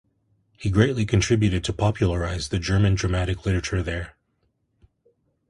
He greatly contributed to popularise the German dramatic literature there.